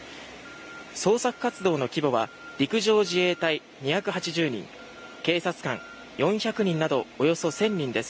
捜索活動の規模は陸上自衛隊２８０人警察官４００人などおよそ１０００人です。